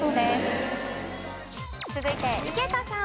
続いて井桁さん。